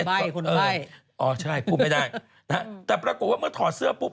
ใช่คุณเอ้ยอ๋อใช่พูดไม่ได้นะฮะแต่ปรากฏว่าเมื่อถอดเสื้อปุ๊บ